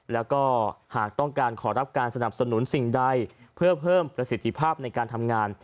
แล้วก็หากต้องการขอรับการสนับสนุนสิ่งใดเพื่อเพิ่มประสิทธิภาพในการทำงาน